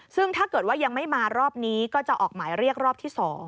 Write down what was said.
ซึ่งถ้าเกิดว่ายังไม่มารอบนี้ก็จะออกหมายเรียกรอบที่๒